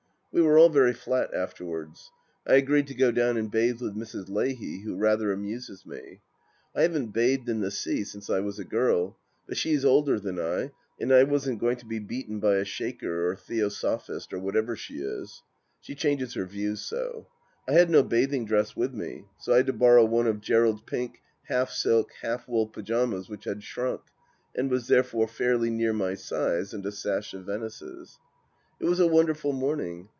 We were all very flat afterwards. I agreed to go down and bathe with Mrs. Leahy, who rather amuses me. I haven't bathed in the sea since I was a girl, but she is older than I, and I wasn't going to be beaten by a Shaker or Theosophist, or whatever she is — she changes her views so. I had no bathing dress with me, so I had to borrow one of Gerald's pink, half silk, half wool pyjamas which had shrunk, and was therefore fairly near my size, and a sash of Venice's. It was a wonderful morning.